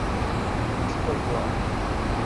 تیپہ گوا۔